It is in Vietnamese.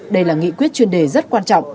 đây là nghị quyết chuyên đề rất quan trọng